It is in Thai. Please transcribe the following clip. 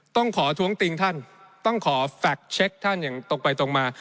ต้องขอท้วงติงท่านต้องขอแฟคเช็คท่านอย่างตรงไปตรงมา